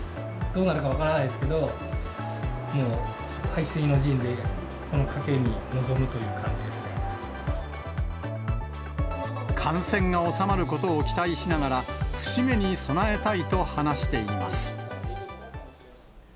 どうなるか分からないですけど、もう背水の陣で、感染が収まることを期待しながら、節目に備えたいと話しています。